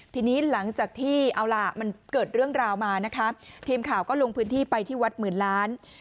ทีนี้หลังจากที่เอาล่ะมันเกิดเรื่องราวมานะคะทีมข่าวก็ลงพื้นที่ไปที่วัดหมื่นล้าน